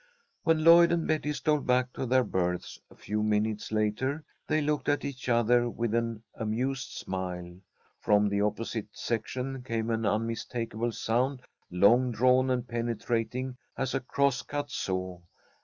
When Lloyd and Betty stole back to their berths a few minutes later, they looked at each other with an amused smile. From the opposite section came an unmistakable sound, long drawn and penetrating as a cross cut saw.